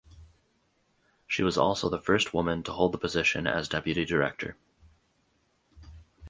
She was also the first woman to hold the position as deputy director.